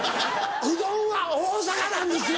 うどんは大阪なんですよ！